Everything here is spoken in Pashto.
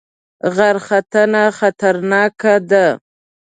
غرختنه خطرناکه ده؟